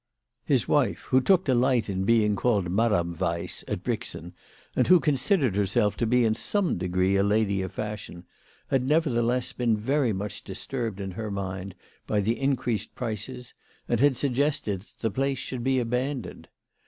His wife, who took delight in being called Madame Weiss at Brixen, and who considered herself to be in some degree a lady of fashion, had nevertheless been WHY FRATJ FROHMAOT RAISED HER PRICES. 97 very much, disturbed in her mind by the increased prices, and had suggested that the place should be abandoned.